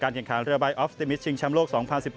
การแข่งขันเรือไบออฟติมิตซ์ชิงชำโลก๒๐๑๗